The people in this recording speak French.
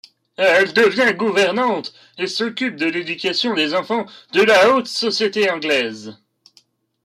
Elle devient gouvernante et s'occupe de l'éducation des enfants de la haute société anglaise.